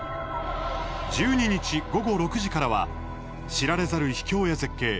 １２日、午後６時からは知られざる秘境や絶景